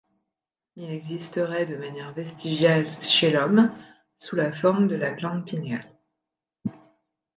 Il existerait de manière vestigiale chez l'homme sous la forme de la glande pinéale.